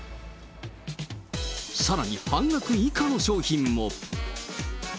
さらに、半額以下の商品も。